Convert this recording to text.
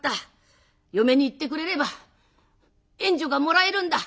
嫁に行ってくれれば援助がもらえるんだ。